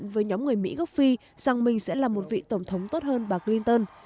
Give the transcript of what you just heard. với nhóm người mỹ gốc phi rằng mình sẽ là một vị tổng thống tốt hơn bà clinton